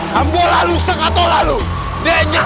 saya tidak ada di sini